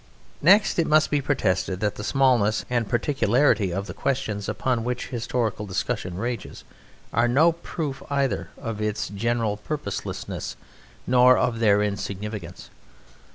Next it must be protested that the smallness and particularity of the questions upon which historical discussion rages are no proof either of its general purposelessness nor of their insignificance.